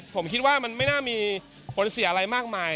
ผมคิดว่ามันไม่น่ามีผลเสียอะไรมากมาย